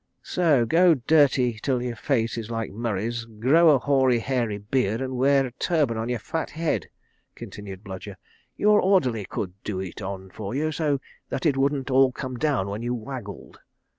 "So go dirty till your face is like Murray's, grow a hoary, hairy beard, an' wear a turban on your fat head," continued Bludyer. "Your orderly could do it on for you, so that it wouldn't all come down when you waggled.